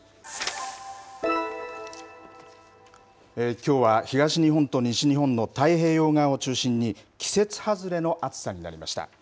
きょうは東日本と西日本の太平洋側を中心に季節外れの暑さになりました。